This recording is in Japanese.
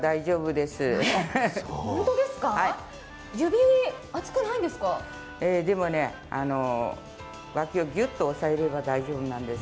でも、わきをぎゅっと押さえれば大丈夫なんです。